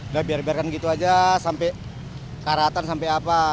udah biar biarkan gitu aja sampai karatan sampai apa